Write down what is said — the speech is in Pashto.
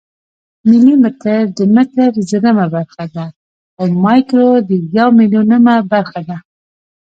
ملي متر د متر زرمه برخه ده او مایکرو د یو میلیونمه برخه ده.